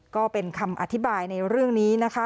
ก็เป็นคำอธิบายในเรื่องนี้นะคะ